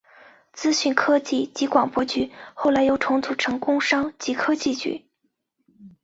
资讯科技及广播局后来又重组成工商及科技局。